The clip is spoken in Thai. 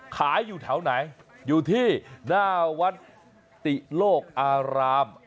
อยู่แถวไหนอยู่ที่หน้าวัดติโลกอาราม